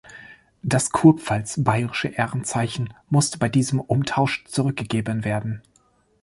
Das Kurpfalz-bayerische Ehrenzeichen musste bei diesem Umtausch zurückgegeben werden.